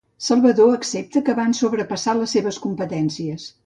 Salvador accepta que van sobrepassar les seves competències